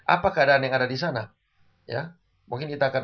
apa keadaan yang ada disana